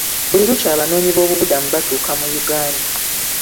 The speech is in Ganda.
Buli lukya abanoonyi boobubudamu batuuka mu Uganda.